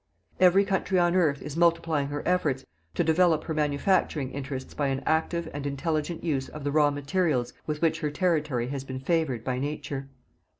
Every country on earth is multiplying her efforts to develop her manufacturing interests by an active and intelligent use of the raw materials with which her territory has been favoured by Nature.